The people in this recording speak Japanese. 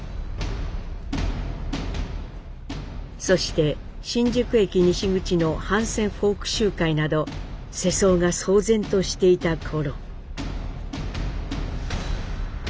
そして新宿駅西口の反戦フォーク集会など世相が騒然としていた頃。